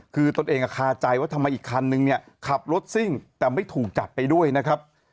คือตนเองคาใจว่าทำไมอีกคันนึงเนี่ยขับรถซิ่งแต่ไม่ถูกจับไปด้วยนะครับ